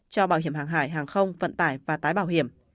cho bảo hiểm hàng hải hàng không vận tải và tái bảo hiểm